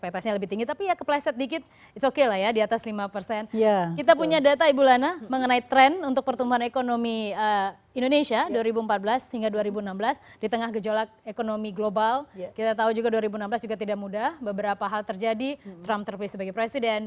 tidak mudah beberapa hal terjadi trump terpilih sebagai presiden